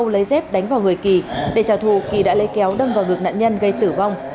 lấy dép đánh vào người kỳ để trả thù kỳ đã lấy kéo đâm vào ngực nạn nhân gây tử vong